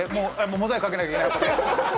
モザイクかけなきゃいけない？